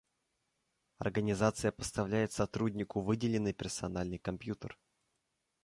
Организация поставляет сотруднику выделенный персональный компьютер